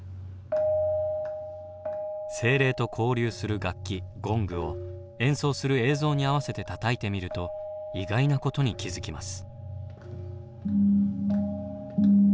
精霊と交流する楽器ゴングを演奏する映像に合わせてたたいてみると意外なことに気付きます。